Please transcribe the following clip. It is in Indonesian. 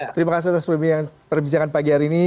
terima kasih atas perbincangan pagi hari ini